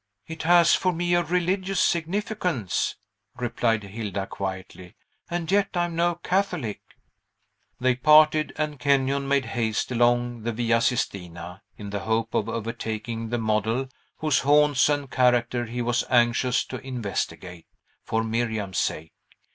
"It has for me a religious significance," replied Hilda quietly, "and yet I am no Catholic." They parted, and Kenyon made haste along the Via Sistina, in the hope of overtaking the model, whose haunts and character he was anxious to investigate, for Miriam's sake.